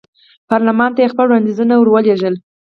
پارلمان ته یې خپل وړاندیزونه ور ولېږل.